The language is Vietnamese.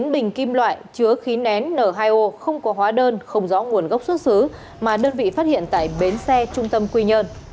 một mươi bình kim loại chứa khí nén n hai o không có hóa đơn không rõ nguồn gốc xuất xứ mà đơn vị phát hiện tại bến xe trung tâm quy nhơn